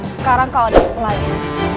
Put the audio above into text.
sekarang kau adalah pelayan